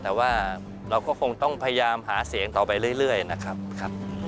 แต่ว่าเราก็คงต้องพยายามหาเสียงต่อไปเรื่อยนะครับ